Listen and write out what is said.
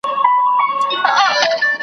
زه له غروره د ځوانۍ لکه نیلی درتللای .